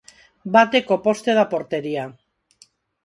Bate co poste da portería.